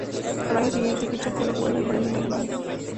Al año siguiente ficha por el Werder Bremen de Alemania.